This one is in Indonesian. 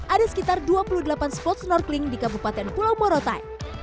ada sekitar dua puluh delapan spot snorkeling di kabupaten pulau morotai